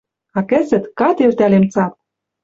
А кӹзӹт — кад элтӓлем цат...»